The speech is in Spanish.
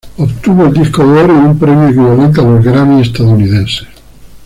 Obtuvo el disco de oro y un premio equivalente a los Grammy estadounidenses.